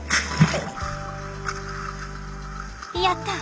やった！